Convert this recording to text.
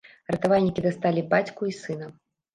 Ратавальнікі дасталі бацьку і сына.